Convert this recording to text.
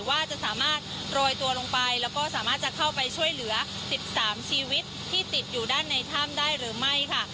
ว่าจะสามารถโรยตัวลงไปแล้วก็สามารถจะเข้าไปช่วยเหลือ๑๓ชีวิตที่ติดอยู่ด้านในถ้ำได้หรือไม่ค่ะ